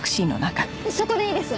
そこでいいです。